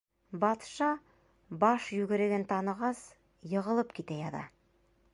Батша, баш йүгереген танығас, йығылып китә яҙа.